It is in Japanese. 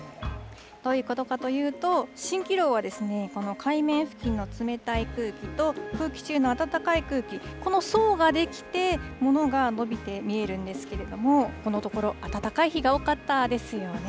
どういうことかというと、しんきろうはこの海面付近の冷たい空気と、空気中の暖かい空気、この層が出来て、ものが伸びて見えるんですけれども、このところ、暖かい日が多かったですよね。